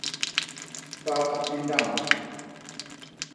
Pak i ndamb.